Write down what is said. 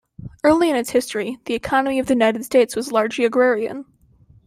Early in its history, the economy of the United States was largely agrarian.